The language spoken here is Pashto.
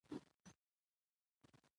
خو له پلاره مي دا یو نکل په زړه دی